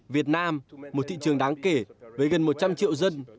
việt nam một thị trường đáng kể với gần một trăm linh triệu dân